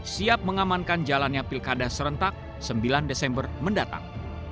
siap mengamankan jalannya pilkada serentak sembilan desember mendatang